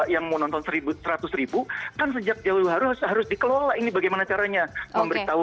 yang menonton seribu seratus kan sejak jauh harus harus dikelola ini bagaimana caranya memberitahu